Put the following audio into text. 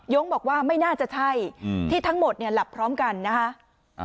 บอกว่าไม่น่าจะใช่ที่ทั้งหมดเนี่ยหลับพร้อมกันนะคะ